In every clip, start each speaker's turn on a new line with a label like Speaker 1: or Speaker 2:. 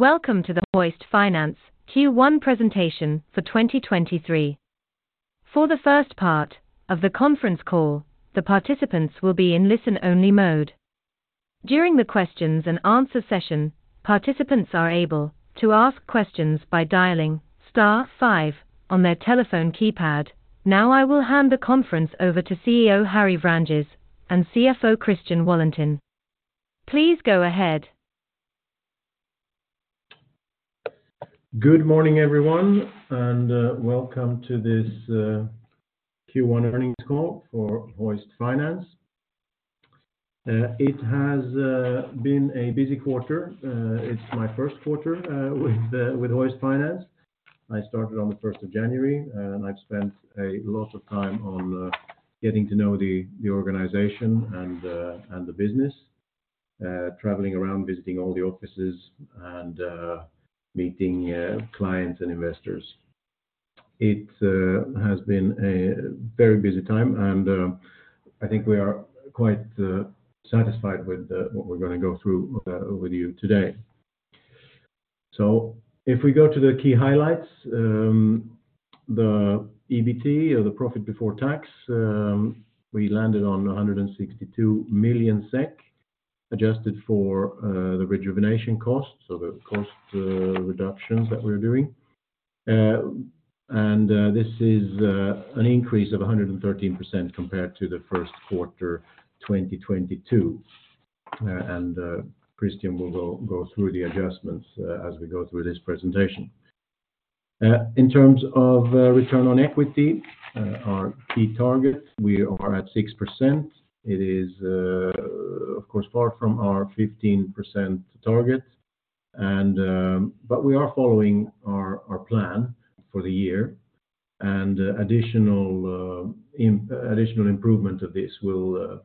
Speaker 1: Welcome to the Hoist Finance Q1 presentation for 2023. For the first part of the conference call, the participants will be in listen only mode. During the questions and answer session, participants are able to ask questions by dialing star five on their telephone keypad. I will hand the conference over to CEO Harry Vranjes and CFO Christian Wallentin. Please go ahead.
Speaker 2: Good morning, everyone, and welcome to this Q1 earnings call for Hoist Finance. It has been a busy quarter. It's my first quarter with Hoist Finance. I started on the first of January, and I've spent a lot of time on getting to know the organization and the business, traveling around, visiting all the offices and meeting clients and investors. It has been a very busy time, and I think we are quite satisfied with what we're gonna go through with you today. If we go to the key highlights, the EBT or the profit before tax, we landed on 162 million SEK, adjusted for the reorganization costs, so the cost reductions that we're doing. This is an increase of 113% compared to the first quarter 2022. Christian will go through the adjustments as we go through this presentation. In terms of return on equity, our key target, we are at 6%. It is, of course, far from our 15% target. We are following our plan for the year. Additional improvement of this will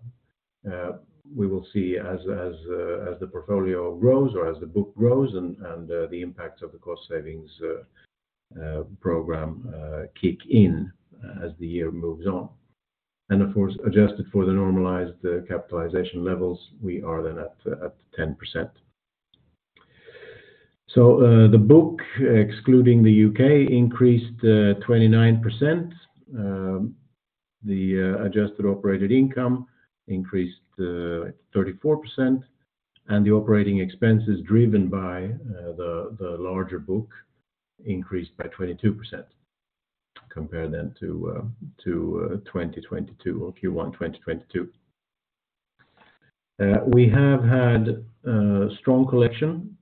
Speaker 2: we will see as the portfolio grows or as the book grows and the impacts of the cost savings program kick in as the year moves on. Of course, adjusted for the normalized capitalization levels, we are then at 10%. The book excluding the UK increased 29%. The adjusted operated income increased 34%, and the operating expenses driven by the larger book increased by 22% compared then to 2022 or Q1 2022. We have had strong collection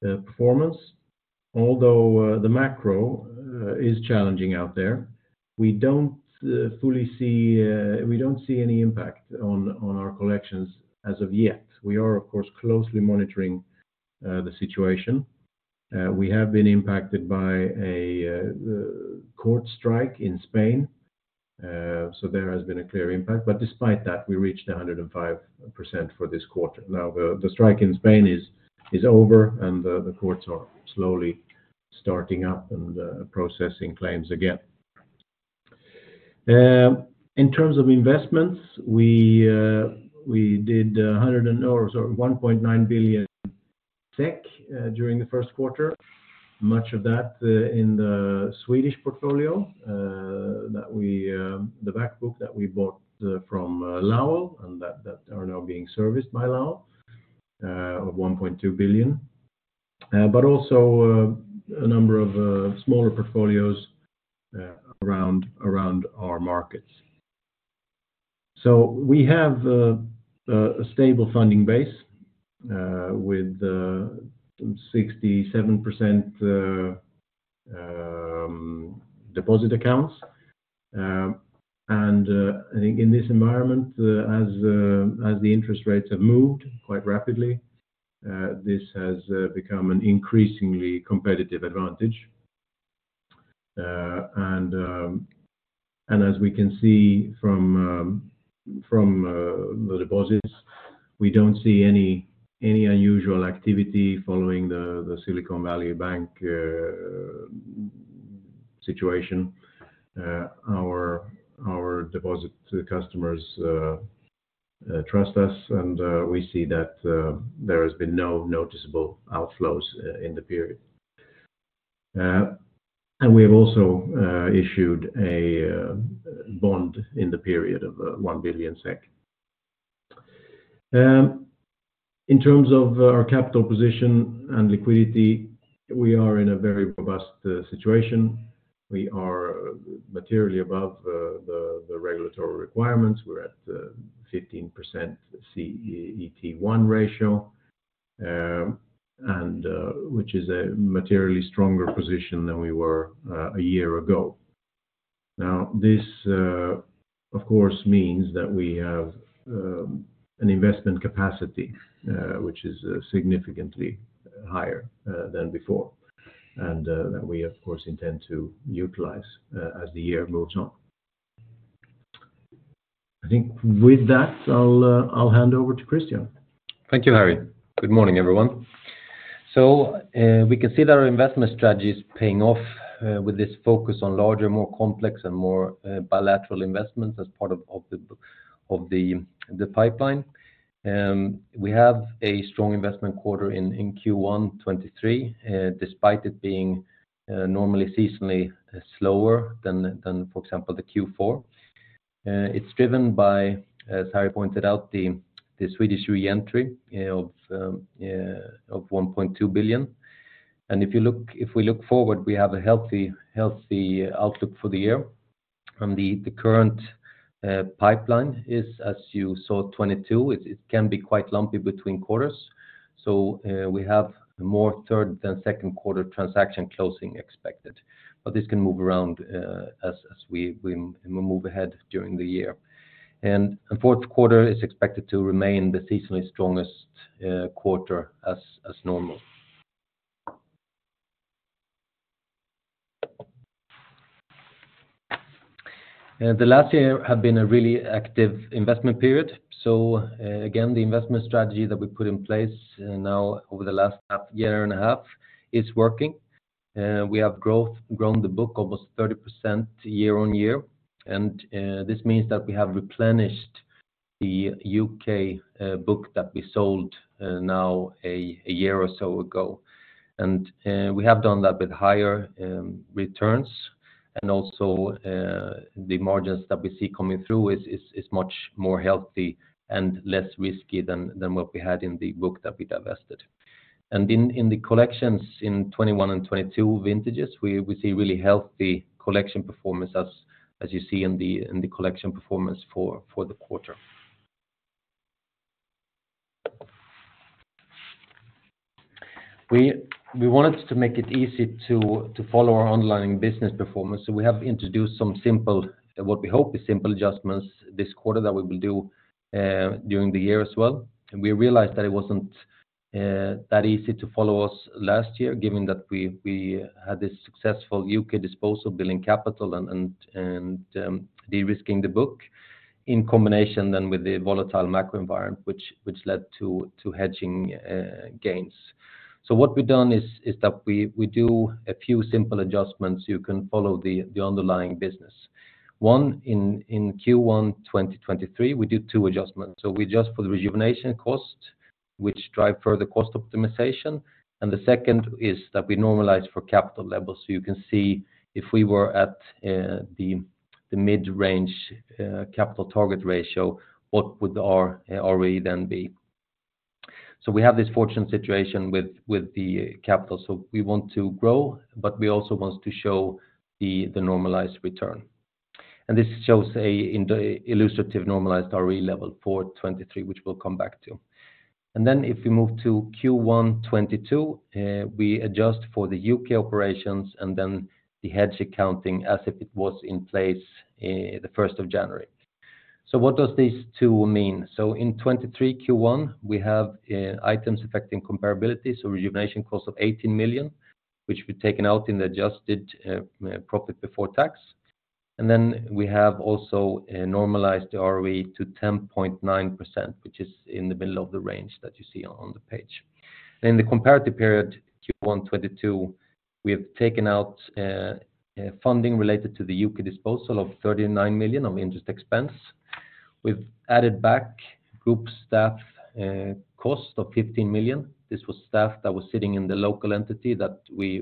Speaker 2: performance, although the macro is challenging out there. We don't fully see, we don't see any impact on our collections as of yet. We are, of course, closely monitoring the situation. We have been impacted by a court strike in Spain, there has been a clear impact. Despite that, we reached 105% for this quarter. Now the strike in Spain is over and the courts are slowly starting up and processing claims again. In terms of investments, we did 1.9 billion SEK during the first quarter, much of that in the Swedish portfolio that we, the back book that we bought from Lowell and that are now being serviced by Lowell, of 1.2 billion. But also, a number of smaller portfolios around our markets. We have a stable funding base with 67% deposit accounts. I think in this environment, as the interest rates have moved quite rapidly, this has become an increasingly competitive advantage. As we can see from the deposits, we don't see any unusual activity following the Silicon Valley Bank situation. Our deposit customers trust us and we see that there has been no noticeable outflows in the period. We have also issued a bond in the period of 1 billion SEK. In terms of our capital position and liquidity, we are in a very robust situation. We are materially above the regulatory requirements. We're at 15% CET1 ratio, and which is a materially stronger position than we were a year ago. This, of course means that we have an investment capacity, which is significantly higher than before, and that we of course intend to utilize as the year moves on. I think with that, I'll hand over to Christian.
Speaker 3: Thank you, Harry. Good morning, everyone. We can see that our investment strategy is paying off with this focus on larger, more complex and more bilateral investments as part of the pipeline. We have a strong investment quarter in Q1 2023, despite it being normally seasonally slower than, for example, the Q4. It's driven by, as Harry pointed out, the Swedish reentry, you know, of 1.2 billion. If we look forward, we have a healthy outlook for the year from the current pipeline is, as you saw, 22. It can be quite lumpy between quarters. We have more third than second quarter transaction closing expected. This can move around as we move ahead during the year. The fourth quarter is expected to remain the seasonally strongest quarter as normal. The last year had been a really active investment period. Again, the investment strategy that we put in place now over the last half year and a half is working. We have growth-grown the book almost 30% year-on-year. This means that we have replenished the U.K. book that we sold now a year or so ago. We have done that with higher returns. Also, the margins that we see coming through is much more healthy and less risky than what we had in the book that we divested. In the collections in 21 and 22 vintages, we see really healthy collection performance as you see in the collection performance for the quarter. We wanted to make it easy to follow our underlying business performance. We have introduced some simple, what we hope is simple adjustments this quarter that we will do during the year as well. We realized that it wasn't that easy to follow us last year, given that we had this successful UK disposal building capital and de-risking the book in combination then with the volatile macro environment, which led to hedging gains. What we've done is that we do a few simple adjustments. You can follow the underlying business. One in Q1 2023, we did two adjustments. We adjust for the reorganization cost, which drive further cost optimization. The second is that we normalize for capital levels. You can see if we were at the mid-range capital target ratio, what would our ROE then be? We have this fortunate situation with the capital. We want to grow, but we also want to show the normalized return. This shows a illustrative normalized ROE level for 2023, which we'll come back to. If we move to Q1 2022, we adjust for the U.K. operations and then the hedge accounting as if it was in place the first of January. What does these two mean? In 2023 Q1, we have items affecting comparability, so reorganization cost of 18 million, which we've taken out in the adjusted profit before tax. We have also a normalized ROE to 10.9%, which is in the middle of the range that you see on the page. In the comparative period, Q1 2022, we have taken out funding related to the UK disposal of 39 million on interest expense. We've added back group staff cost of 15 million. This was staff that was sitting in the local entity that we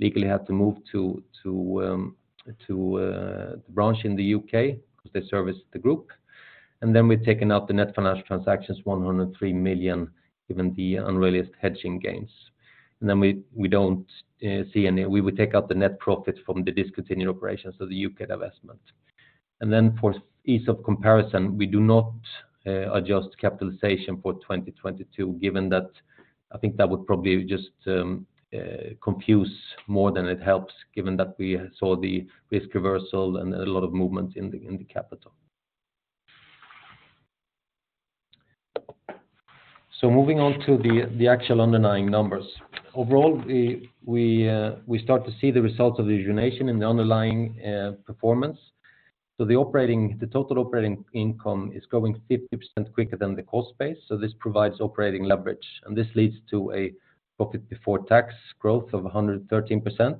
Speaker 3: legally had to move to the branch in the UK because they service the group. We've taken out the net financial transactions, 103 million, given the unrealized hedging gains. We would take out the net profit from the discontinued operations of the UK divestment. For ease of comparison, we do not adjust capitalization for 2022, given that I think that would probably just confuse more than it helps, given that we saw the risk reversal and a lot of movement in the capital. Moving on to the actual underlying numbers. Overall, we start to see the results of the reorganization in the underlying performance. The total operating income is growing 50% quicker than the cost base. This provides operating leverage, and this leads to a profit before tax growth of 113%,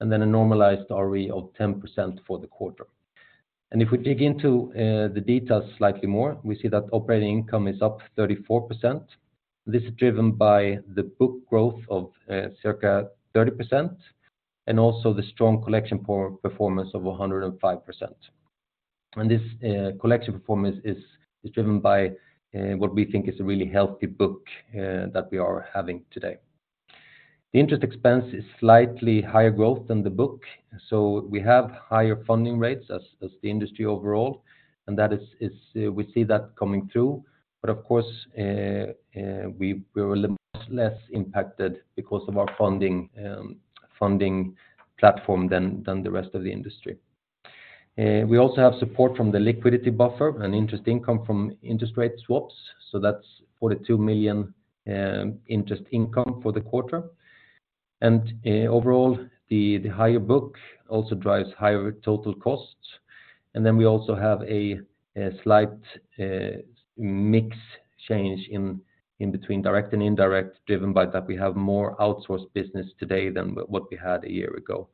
Speaker 3: and then a normalized ROE of 10% for the quarter. If we dig into the details slightly more, we see that operating income is up 34%. This is driven by the book growth of circa 30%, and also the strong collection performance of 105%. This collection performance is driven by what we think is a really healthy book that we are having today. The interest expense is slightly higher growth than the book. We have higher funding rates as the industry overall, and that is we see that coming through. Of course, we were much less impacted because of our funding funding platform than the rest of the industry. We also have support from the liquidity buffer and interest income from interest rate swaps. That's 42 million interest income for the quarter. Overall the higher book also drives higher total costs. We also have a slight mix change in between direct and indirect, driven by that we have more outsourced business today than what we had a year ago,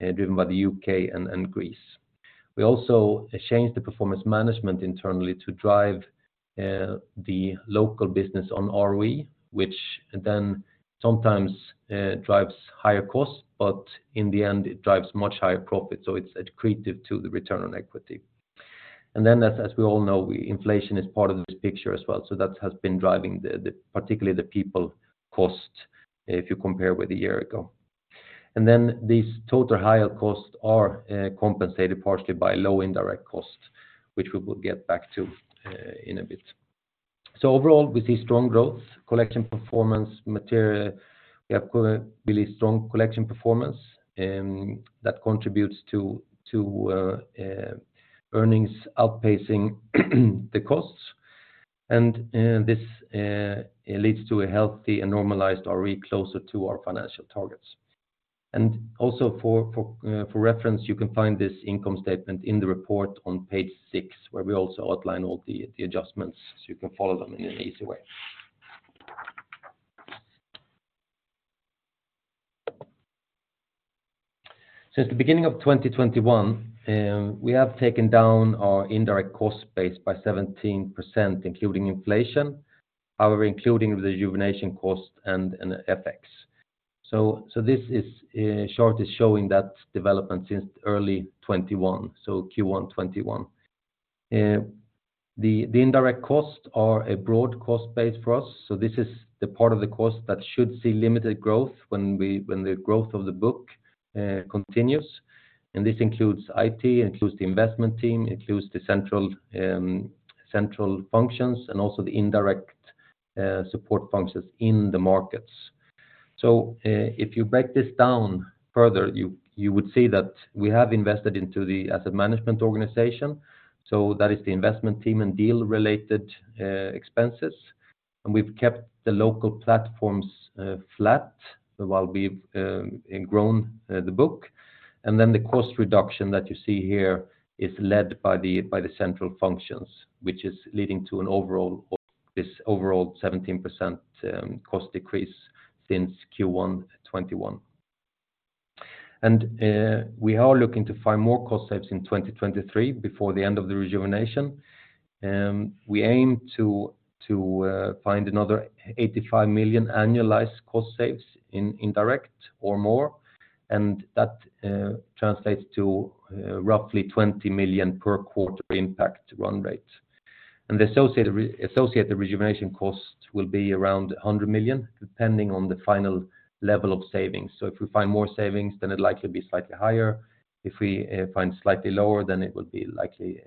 Speaker 3: driven by the UK and Greece. We also changed the performance management internally to drive the local business on ROE, which sometimes drives higher costs, but in the end it drives much higher profits, so it's accretive to the return on equity. As we all know, inflation is part of this picture as well. That has been driving the particularly the people cost if you compare with a year ago. These total higher costs are compensated partially by low indirect costs, which we will get back to in a bit. Overall, we see strong growth, collection performance material. We have really strong collection performance that contributes to earnings outpacing the costs. This leads to a healthy and normalized ROE closer to our financial targets. Also for reference, you can find this income statement in the report on page six, where we also outline all the adjustments, so you can follow them in an easy way. Since the beginning of 2021, we have taken down our indirect cost base by 17%, including inflation, however including the reorganization costs and FX. This chart is showing that development since early 21, so Q1 21. The indirect costs are a broad cost base for us. This is the part of the cost that should see limited growth when the growth of the book continues. This includes IT, includes the investment team, includes the central functions, and also the indirect support functions in the markets. If you break this down further, you would see that we have invested into the asset management organization. That is the investment team and deal related expenses. We've kept the local platforms flat while we've grown the book. The cost reduction that you see here is led by the central functions, which is leading to this overall 17% cost decrease since Q1 2021. We are looking to find more cost saves in 2023 before the end of the reorganization. We aim to find another 85 million annualized cost saves in indirect or more. That translates to roughly 20 million per quarter impact run rate. The associated reorganization costs will be around 100 million, depending on the final level of savings. If we find more savings, then it'll likely be slightly higher. If we find slightly lower, then it will be likely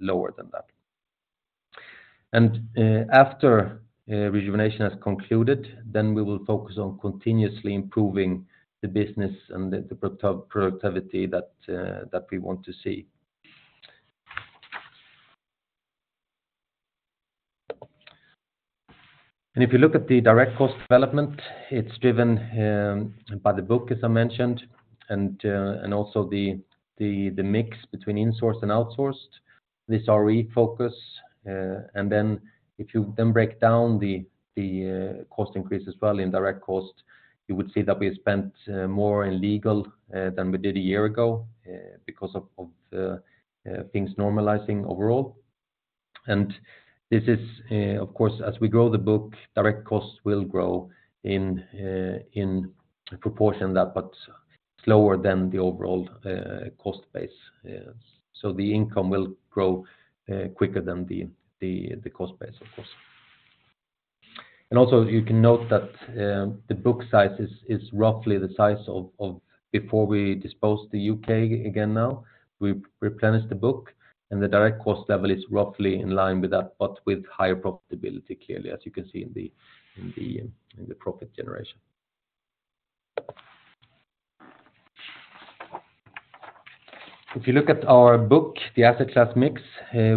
Speaker 3: lower than that. After reorganization has concluded, then we will focus on continuously improving the business and the productivity that we want to see. If you look at the direct cost development, it's driven by the book, as I mentioned, and also the mix between insourced and outsourced, this ROE focus. Then if you then break down the cost increase as well, the indirect cost you would see that we spent more in legal than we did a year ago because of things normalizing overall. This is, of course, as we grow the book, direct costs will grow in proportion that, but slower than the overall cost base. The income will grow quicker than the cost base, of course. Also you can note that the book size is roughly the size of before we disposed the U.K. again now. We replenished the book and the direct cost level is roughly in line with that, but with higher profitability clearly, as you can see in the profit generation. If you look at our book, the asset class mix,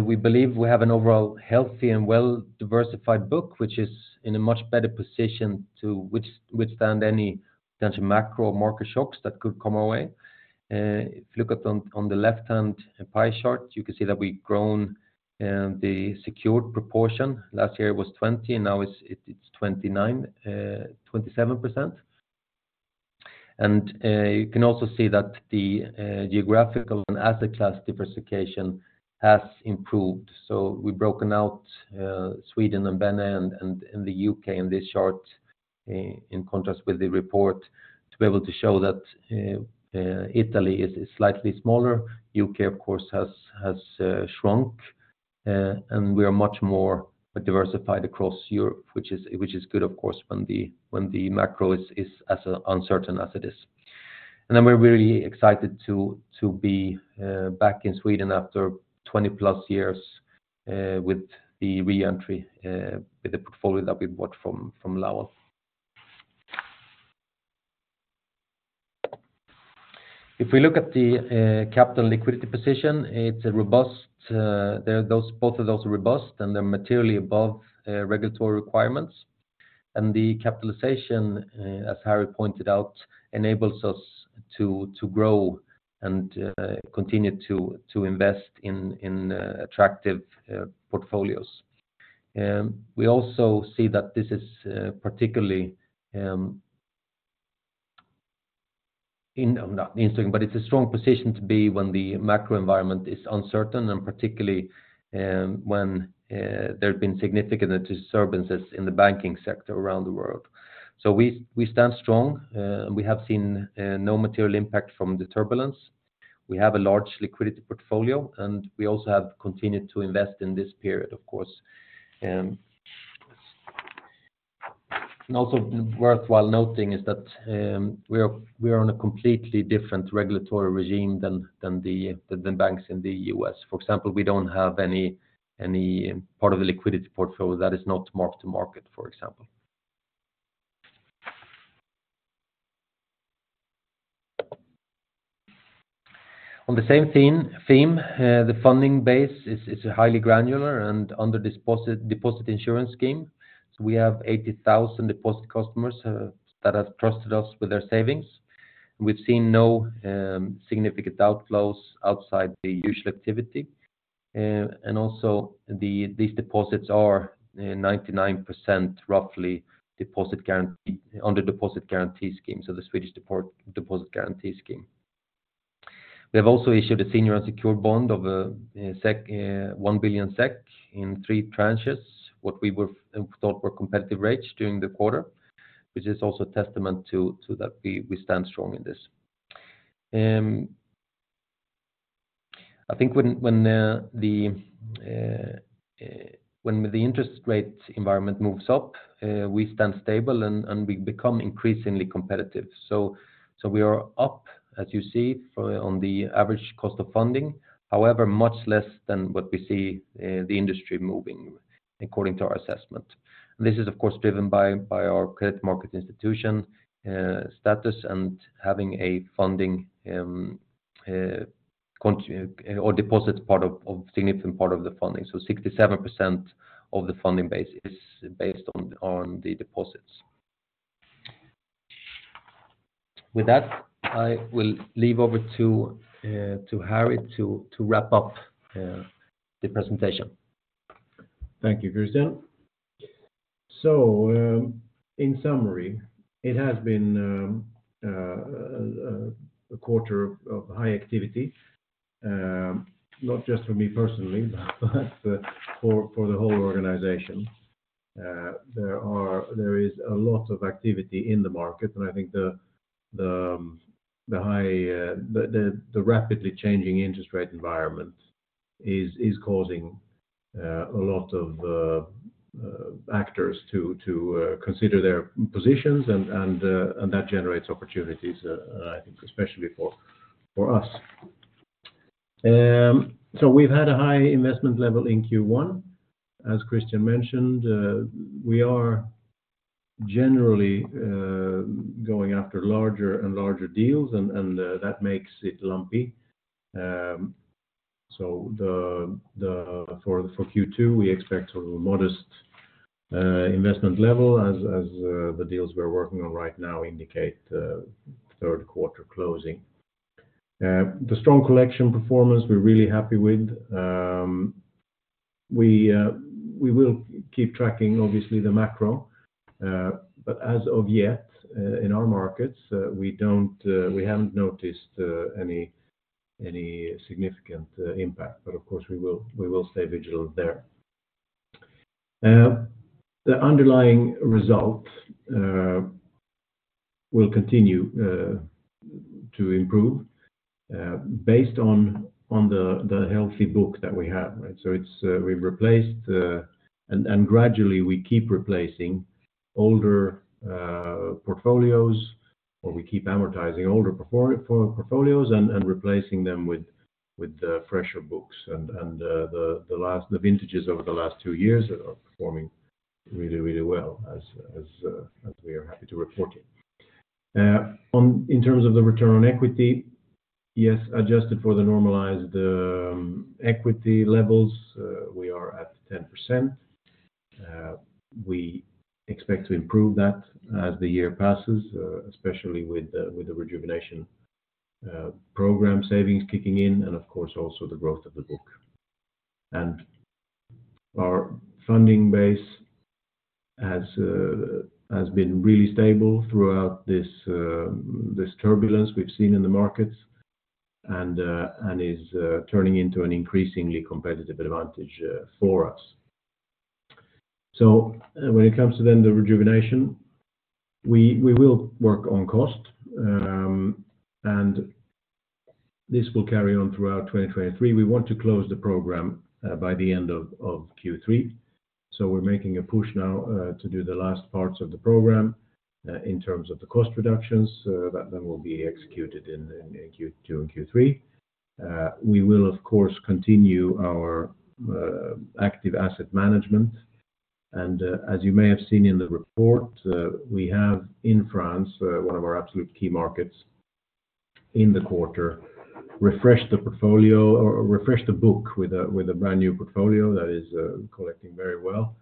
Speaker 3: we believe we have an overall healthy and well-diversified book, which is in a much better position to withstand any potential macro market shocks that could come our way. If you look at on the left-hand pie chart, you can see that we've grown the secured proportion. Last year it was 20, now it's 29, 27%. You can also see that the geographical and asset class diversification has improved. We've broken out Sweden and Benelux and the UK in this chart in contrast with the report to be able to show that Italy is slightly smaller. U.K. of course has shrunk, and we are much more diversified across Europe, which is good of course when the macro is as uncertain as it is. We're really excited to be back in Sweden after 20+ years with the re-entry with the portfolio that we bought from Lowell. If we look at the capital liquidity position, it's a robust, those both of those are robust, and they're materially above regulatory requirements. The capitalization, as Harry pointed out, enables us to grow and continue to invest in attractive portfolios. We also see that this is particularly in... Oh, not in sync, but it's a strong position to be when the macro environment is uncertain, and particularly, when there have been significant disturbances in the banking sector around the world. We stand strong. We have seen no material impact from the turbulence. We have a large liquidity portfolio, and we also have continued to invest in this period, of course. Also worthwhile noting is that we are on a completely different regulatory regime than the banks in the U.S. For example, we don't have any part of the liquidity portfolio that is not mark to market, for example. On the same theme, the funding base is highly granular and under deposit insurance scheme. We have 80,000 deposit customers that have trusted us with their savings. We've seen no significant outflows outside the usual activity. And also these deposits are 99% roughly under deposit guarantee scheme, so the Swedish Deposit Guarantee Scheme. We have also issued a senior unsecured bond of 1 billion SEK in three tranches, what we thought were competitive rates during the quarter, which is also a testament to that we stand strong in this. I think when the interest rate environment moves up, we stand stable and we become increasingly competitive. We are up, as you see, on the average cost of funding. However, much less than what we see the industry moving according to our assessment. This is of course, driven by our credit market institution status and having a funding or deposit part of significant part of the funding. Sixty-seven percent of the funding base is based on the deposits. With that, I will leave over to Harry to wrap up the presentation.
Speaker 2: Thank you, Christian. In summary, it has been a quarter of high activity, not just for me personally, but for the whole organization. There is a lot of activity in the market, and I think the high, the rapidly changing interest rate environment is causing a lot of actors to consider their positions and that generates opportunities, and I think especially for us. We've had a high investment level in Q1. As Christian mentioned, we are generally going after larger and larger deals and that makes it lumpy. For Q2, we expect a modest investment level as the deals we're working on right now indicate third quarter closing. The strong collection performance we're really happy with. We will keep tracking obviously the macro. As of yet, in our markets, we don't, we haven't noticed any significant impact. Of course we will stay vigilant there. The underlying result will continue to improve based on the healthy book that we have, right? It's, we've replaced and gradually we keep replacing older portfolios, or we keep amortizing older portfolios and replacing them with fresher books. The vintages over the last two years are performing really well as we are happy to report it. On... In terms of the return on equity, yes, adjusted for the normalized equity levels, we are at 10%. We expect to improve that as the year passes, especially with the reorganization program savings kicking in, and of course also the growth of the book. Our funding base has been really stable throughout this turbulence we've seen in the markets and is turning into an increasingly competitive advantage for us. When it comes to the reorganization, we will work on cost. This will carry on throughout 2023. We want to close the program by the end of Q3. We're making a push now to do the last parts of the program in terms of the cost reductions that then will be executed in Q2 and Q3. We will of course, continue our active asset management.
Speaker 3: As you may have seen in the report, we have in France, one of our absolute key markets in the quarter, refreshed the portfolio or refreshed the book with a brand new portfolio that is collecting very well.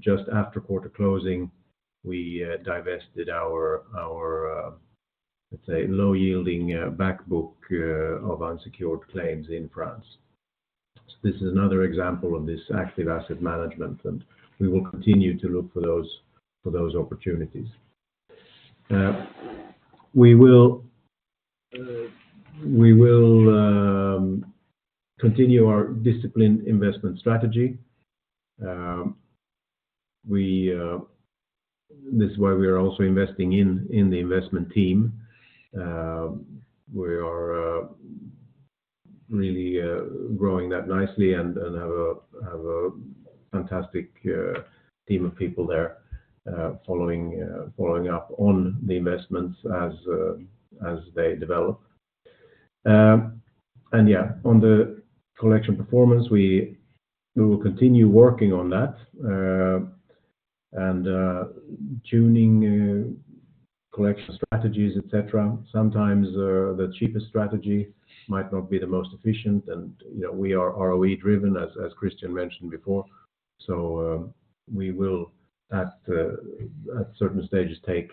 Speaker 3: Just after quarter closing, we divested our, let's say, low yielding back book of unsecured claims in France. This is another example of this active asset management, and we will continue to look for those opportunities. We will continue our disciplined investment strategy. This is why we are also investing in the investment team. We are really growing that nicely and have a fantastic team of people there following up on the investments as they develop. Yeah, on the collection performance, we will continue working on that. Tuning collection strategies, etc. Sometimes, the cheapest strategy might not be the most efficient. You know, we are ROE driven, as Christian Wallentin mentioned before. We will at certain stages take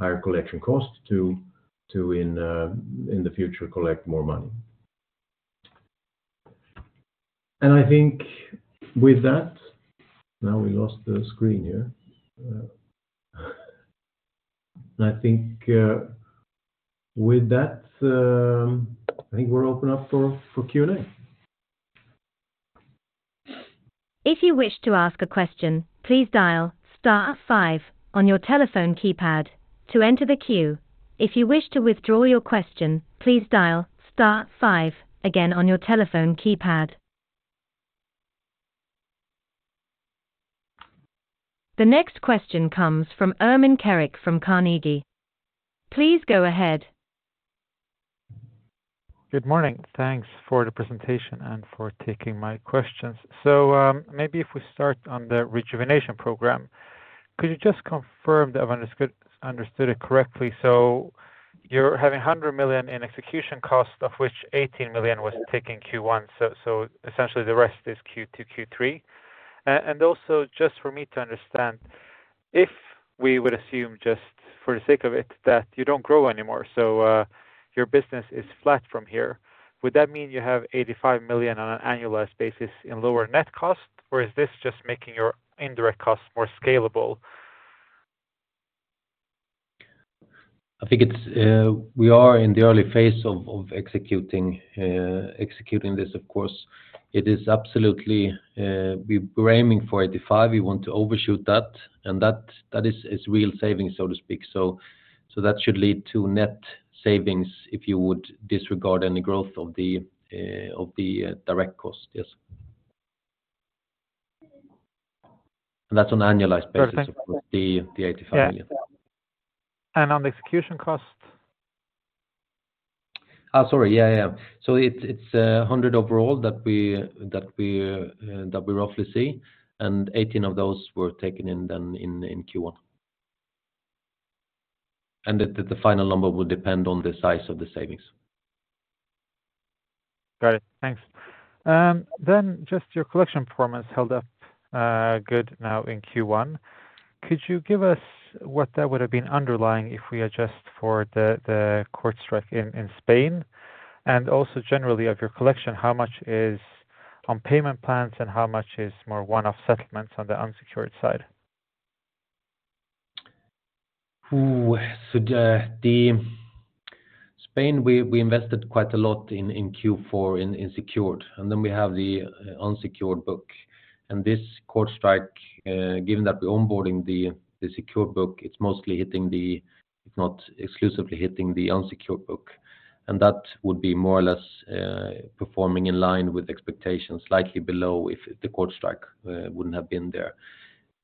Speaker 3: higher collection costs to in the future, collect more money. I think with that. Now we lost the screen here. I think with that, I think we'll open up for Q&A.
Speaker 1: If you wish to ask a question, please dial star five on your telephone keypad to enter the queue. If you wish to withdraw your question, please dial star five again on your telephone keypad. The next question comes from Ermin Keric from Carnegie. Please go ahead.
Speaker 4: Good morning. Thanks for the presentation and for taking my questions. Maybe if we start on the reorganization program, could you just confirm that I've understood it correctly? You're having 100 million in execution cost, of which 80 million was taken Q1. Essentially the rest is Q2, Q3. Just for me to understand, if we would assume just for the sake of it, that you don't grow anymore, your business is flat from here. Would that mean you have 85 million on an annualized basis in lower net cost? Or is this just making your indirect costs more scalable?
Speaker 3: I think it's, we are in the early phase of executing this, of course. It is absolutely, we're aiming for 85. We want to overshoot that, and that is real savings, so to speak. That should lead to net savings if you would disregard any growth of the direct cost. Yes. That's on annualized basis.
Speaker 4: Perfect.
Speaker 3: Of course, the 85 million.
Speaker 4: Yeah. On the execution cost?
Speaker 3: Sorry. Yeah, it's 100 overall that we roughly see, and 18 of those were taken in Q1. The final number will depend on the size of the savings.
Speaker 4: Got it. Thanks. Just your collection performance held up, good now in Q1. Could you give us what that would've been underlying if we adjust for the court strike in Spain? Also generally of your collection, how much is on payment plans and how much is more one-off settlements on the unsecured side?
Speaker 3: The Spain, we invested quite a lot in Q4 in secured. Then we have the unsecured book. This court strike, given that we're onboarding the secured book, it's mostly hitting the, if not exclusively hitting the unsecured book. That would be more or less performing in line with expectations, slightly below if the court strike wouldn't have been there.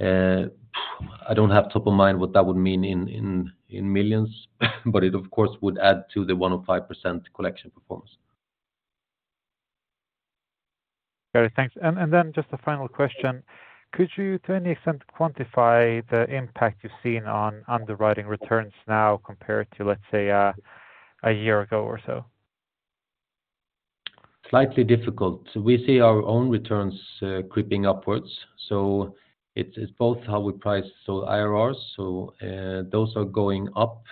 Speaker 3: I don't have top of mind what that would mean in millions, but it of course would add to the 1.5% collection performance.
Speaker 4: Got it. Thanks. Just a final question. Could you to any extent quantify the impact you've seen on underwriting returns now compared to, let's say, a year ago or so?
Speaker 3: Slightly difficult. We see our own returns creeping upwards. It's both how we price, IRRs, those are going up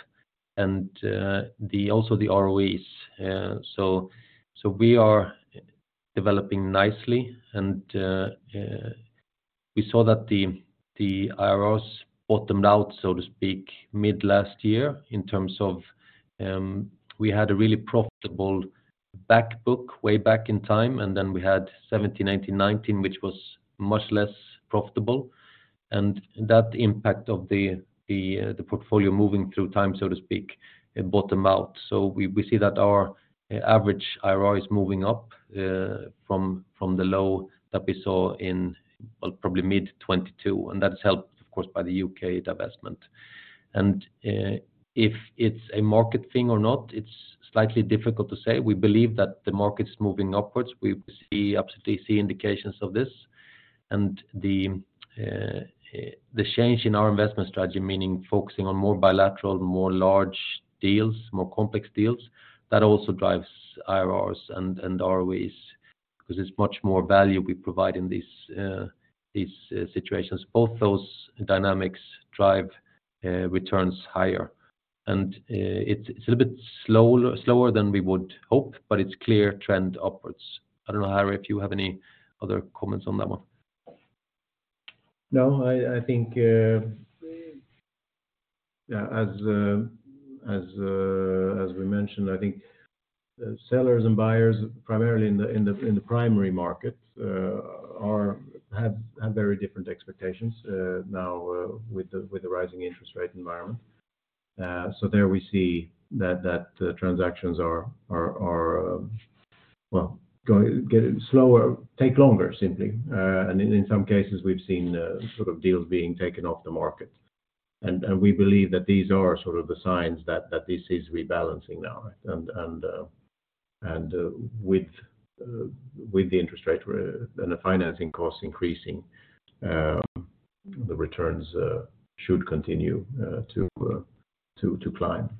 Speaker 3: and also the ROEs. We are developing nicely and we saw that the IRRs bottomed out, so to speak, mid last year in terms of we had a really profitable back book way back in time, and then we had 17, 18, 19, which was much less profitable. That impact of the portfolio moving through time, so to speak, it bottomed out. We see that our average IRR is moving up from the low that we saw in, well, probably mid 22. That's helped of course by the U.K. divestment. If it's a market thing or not, it's slightly difficult to say. We believe that the market's moving upwards. We obviously see indications of this. The change in our investment strategy, meaning focusing on more bilateral, more large deals, more complex deals, that also drives IRRs and ROEs, because there's much more value we provide in these situations. Both those dynamics drive returns higher. It's a little bit slow, slower than we would hope, but it's clear trend upwards. I don't know, Harry, if you have any other comments on that one.
Speaker 2: No, I think, yeah, as we mentioned, I think sellers and buyers primarily in the primary markets, have very different expectations, now with the rising interest rate environment. There we see that transactions are, well, getting slower, take longer simply. In some cases, we've seen sort of deals being taken off the market. We believe that these are sort of the signs that this is rebalancing now. With the interest rate and the financing costs increasing, the returns should continue to climb.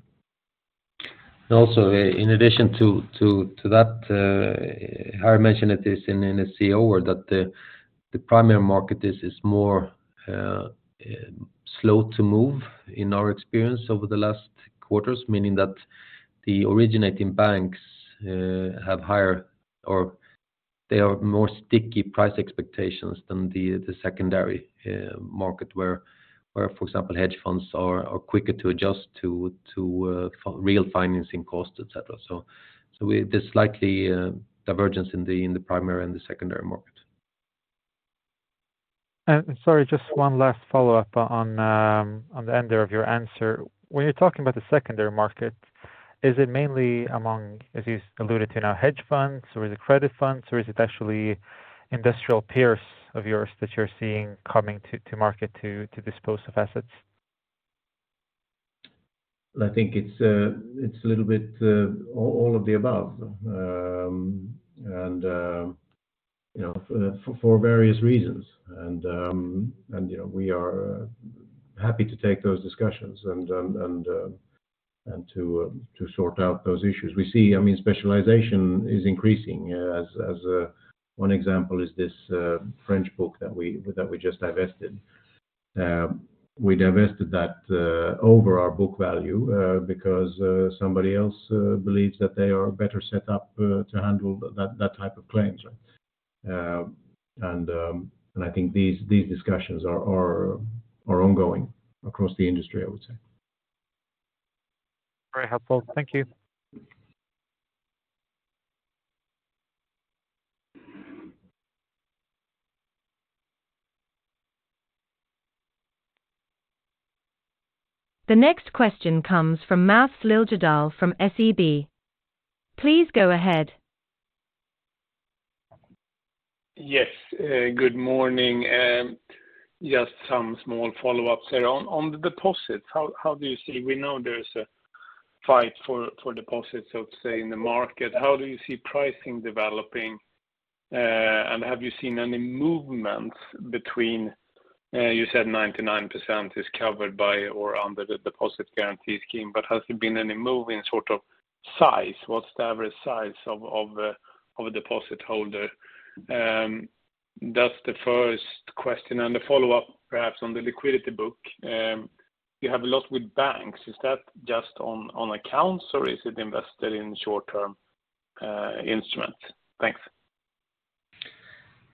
Speaker 3: Also in addition to that, Harry mentioned it is that the primary market is more slow to move in our experience over the last quarters. Meaning that the originating banks have higher or they are more sticky price expectations than the secondary market where, for example, hedge funds are quicker to adjust to real financing costs, et cetera. There's slightly divergence in the primary and the secondary market.
Speaker 4: Sorry, just one last follow-up on the end there of your answer. When you're talking about the secondary market, is it mainly among, as you alluded to now, hedge funds or is it credit funds, or is it actually industrial peers of yours that you're seeing coming to market to dispose of assets?
Speaker 2: I think it's a little bit, all of the above. You know, for various reasons. You know, we are happy to take those discussions and to sort out those issues. We see, I mean, specialization is increasing. As one example is this, French book that we just divested. We divested that, over our book value, because somebody else believes that they are better set up to handle that type of claims, right? I think these discussions are ongoing across the industry, I would say.
Speaker 4: Very helpful. Thank you.
Speaker 1: The next question comes from Maths Liljedahl from SEB. Please go ahead.
Speaker 5: Yes, good morning. Just some small follow-ups here. On the deposits, how do you see? We know there's a fight for deposits, so to say, in the market. How do you see pricing developing? Have you seen any movements between, you said 99% is covered by or under the deposit guarantee scheme, but has there been any move in sort of size? What's the average size of a deposit holder? That's the first question. The follow-up perhaps on the liquidity book. You have a lot with banks. Is that just on accounts, or is it invested in short-term instruments? Thanks.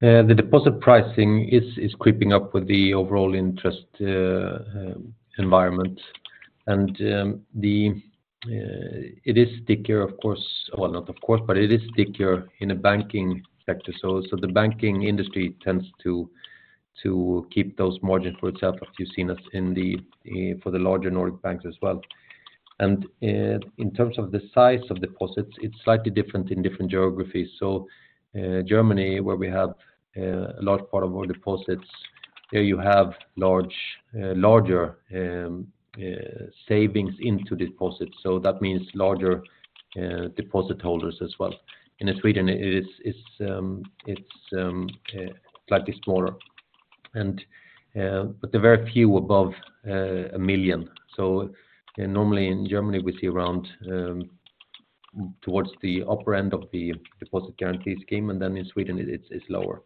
Speaker 3: The deposit pricing is creeping up with the overall interest environment. It is stickier, of course. Well, not of course, but it is stickier in a banking sector. The banking industry tends to keep those margins for itself, as you've seen it in the for the larger Nordic banks as well. In terms of the size of deposits, it's slightly different in different geographies. Germany, where we have a large part of our deposits, there you have large, larger savings into deposits. That means larger deposit holders as well. In Sweden, it is, it's slightly smaller and, but there are very few above 1 million. Normally in Germany, we see around towards the upper end of the deposit guarantee scheme, and then in Sweden it's lower.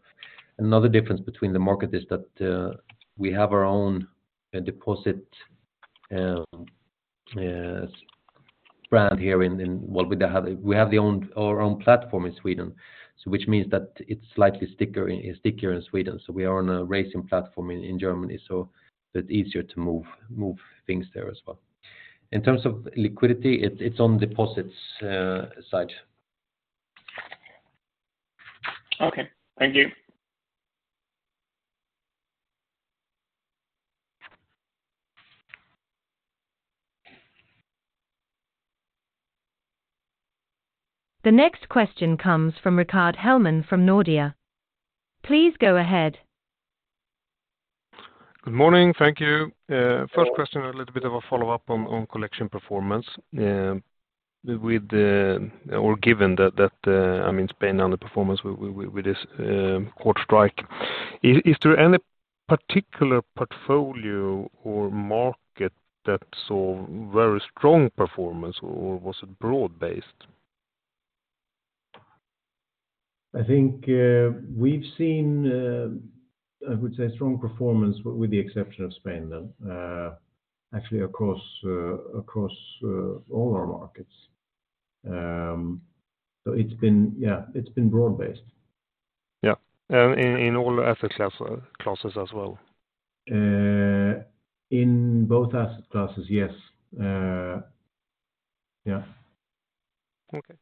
Speaker 3: Another difference between the market is that we have our own deposit brand here in Well, we have our own platform in Sweden, which means that it's slightly stickier in Sweden. We are on a raising platform in Germany, so it's easier to move things there as well. In terms of liquidity, it's on deposits side.
Speaker 5: Okay. Thank you.
Speaker 1: The next question comes from Rickard Hellman from Nordea. Please go ahead.
Speaker 6: Good morning. Thank you. First question, a little bit of a follow-up on collection performance, given that, I mean, Spain underperformance with this quarter strike. Is there any particular portfolio or market that saw very strong performance or was it broad-based?
Speaker 3: I think, we've seen, I would say strong performance with the exception of Spain then, actually across, all our markets. It's been, yeah, it's been broad-based.
Speaker 6: Yeah. In all asset classes as well?
Speaker 3: In both asset classes, yes. Yeah.
Speaker 6: Okay,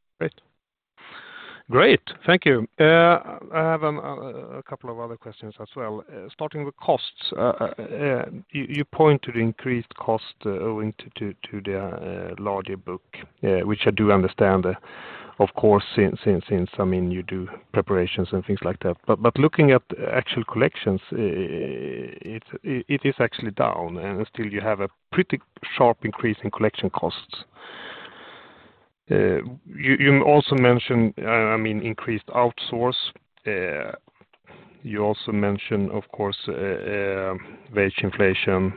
Speaker 6: great. Great, thank you. I have a couple of other questions as well, starting with costs. You pointed increased cost owing to the larger book, which I do understand of course since, I mean, you do preparations and things like that. Looking at actual collections, it is actually down, and still you have a pretty sharp increase in collection costs. You also mentioned, I mean, increased outsource. You also mentioned of course, wage inflation.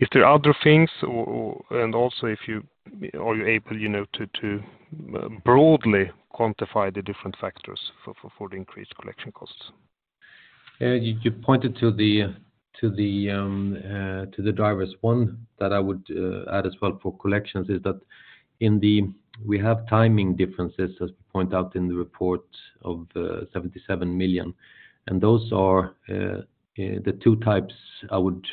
Speaker 6: Is there other things or? Also, are you able, you know, to broadly quantify the different factors for the increased collection costs?
Speaker 3: You pointed to the drivers. One that I would add as well for collections is that in the... We have timing differences as we point out in the report of 77 million, and those are the two types I would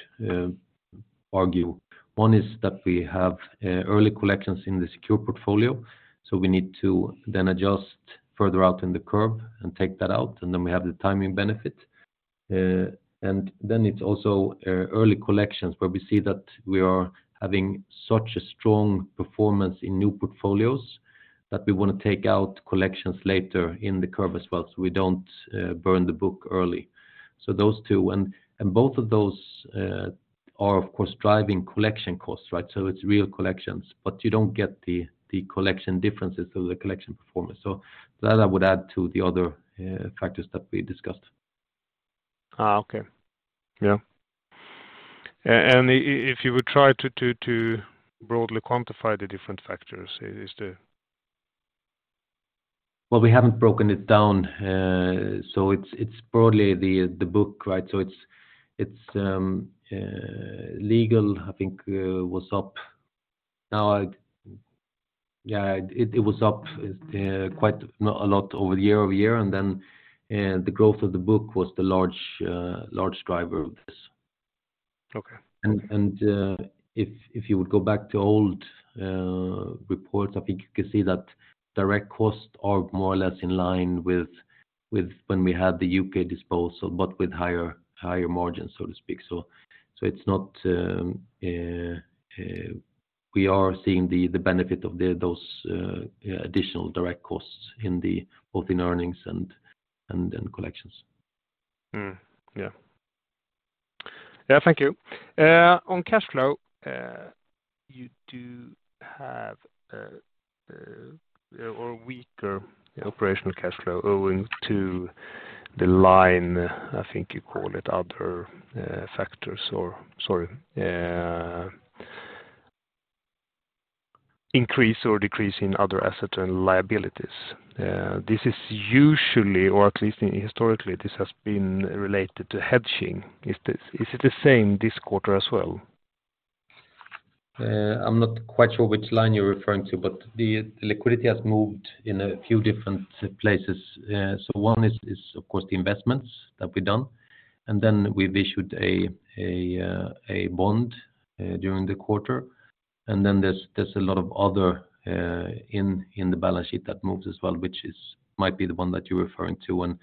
Speaker 3: argue. One is that we have early collections in the secure portfolio, so we need to then adjust further out in the curve and take that out, and then we have the timing benefit. Then it's also early collections where we see that we are having such a strong performance in new portfolios that we wanna take out collections later in the curve as well, so we don't burn the book early. Those two. Both of those are of course driving collection costs, right? It's real collections, but you don't get the collection differences through the collection performance. That I would add to the other factors that we discussed.
Speaker 6: Okay. Yeah. If you would try to broadly quantify the different factors.
Speaker 3: We haven't broken it down. It's broadly the book, right? It's legal, I think, was up. Yeah, it was up, quite a lot over the year-over-year. The growth of the book was the large driver of this.
Speaker 6: Okay.
Speaker 3: If you would go back to old reports, I think you can see that direct costs are more or less in line with when we had the U.K. disposal, but with higher margins, so to speak. We are seeing the benefit of those additional direct costs in the, both in earnings and in collections.
Speaker 6: Yeah. Yeah, thank you. On cash flow, you do have, or weaker operational cash flow owing to the line, I think you call it other factors or, sorry, increase or decrease in other asset and liabilities. This is usually, or at least historically, this has been related to hedging. Is it the same this quarter as well?
Speaker 3: I'm not quite sure which line you're referring to, the liquidity has moved in a few different places. One is of course the investments that we've done, then we've issued a bond during the quarter. There's a lot of other in the balance sheet that moves as well, which might be the one that you're referring to.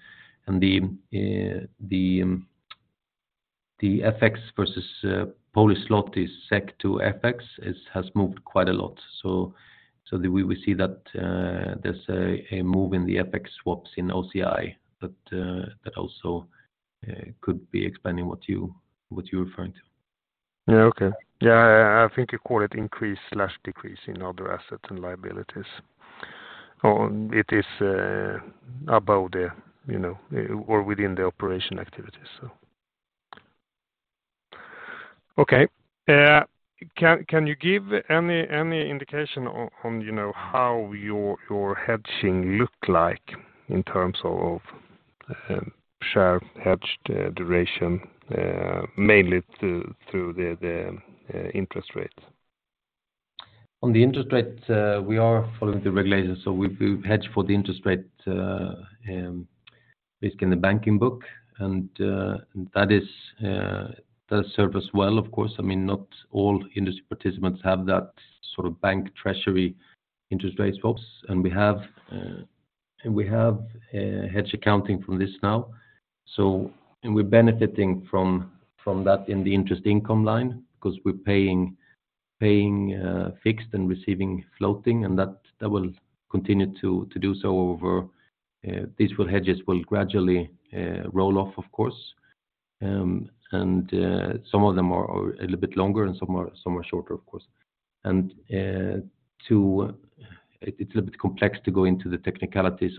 Speaker 3: The FX versus Polish zloty SEK to FX has moved quite a lot. The way we see that, there's a move in the FX swaps in OCI, but that also could be explaining what you're referring to.
Speaker 6: Okay. I think you call it increase/decrease in other assets and liabilities, or it is about the, you know, or within the operation activities, so. Okay. Can you give any indication on, you know, how your hedging look like in terms of share hedged, duration, mainly through the interest rates?
Speaker 3: On the interest rates, we've hedged for the interest rate based in the banking book. That is, does serve us well, of course. I mean, not all industry participants have that sort of bank treasury interest rate swaps. We have hedge accounting from this now. We're benefiting from that in the interest income line because we're Paying fixed and receiving floating, and that will continue to do so over hedges will gradually roll off, course. Some of them are a little bit longer and some are shorter, of course. It's a little bit complex to go into the technicalities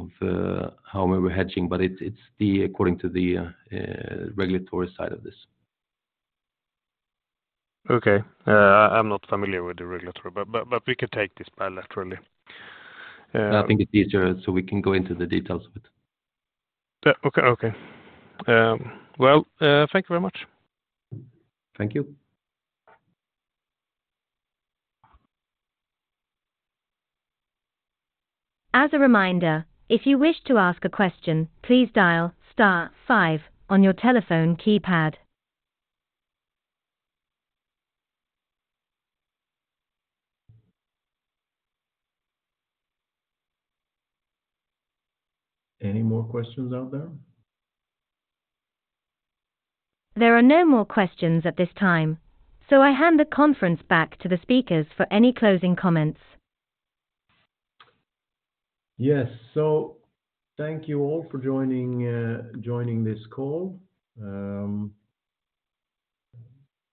Speaker 3: of how we were hedging, but it's according to the regulatory side of this.
Speaker 2: Okay. I'm not familiar with the regulatory, but we can take this bilaterally.
Speaker 3: Nothing is easier, so we can go into the details of it.
Speaker 2: Yeah. Okay. Okay. Well, thank you very much.
Speaker 3: Thank you.
Speaker 1: As a reminder, if you wish to ask a question, please dial star five on your telephone keypad.
Speaker 2: Any more questions out there?
Speaker 1: There are no more questions at this time, so I hand the conference back to the speakers for any closing comments.
Speaker 2: Yes. Thank you all for joining this call.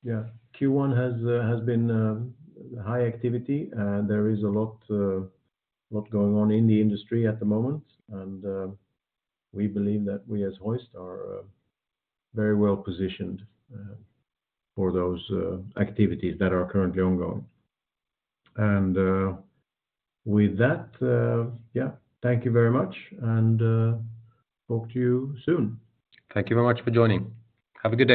Speaker 2: Yeah. Q1 has been high activity. There is a lot going on in the industry at the moment. We believe that we as Hoist are very well positioned for those activities that are currently ongoing. With that, yeah. Thank you very much and talk to you soon.
Speaker 3: Thank you very much for joining. Have a good day.